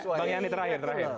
bang yani terakhir terakhir